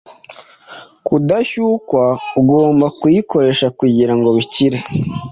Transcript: kudashyukwaugomba kuyikoresha kugirango bikire